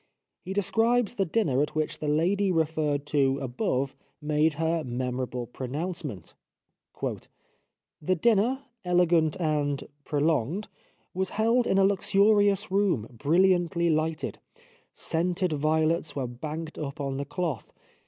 He describes the dinner at which the lady referred to above made her memorable pronouncement. " The dinner, elegant and pro longed, was held in a luxurious room, brilliantly lighted. Scented violets were banked up on the cloth.